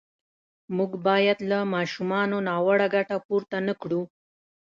موږ باید له ماشومانو ناوړه ګټه پورته نه کړو.